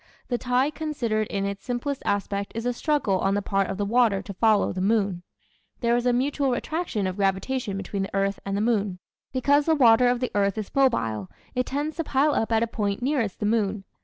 The tide considered in its simplest aspect is a struggle on the part of the water to follow the moon. There is a mutual attraction of gravitation between the earth and the moon. Because the water of the earth is mobile it tends to pile up at a point nearest the moon.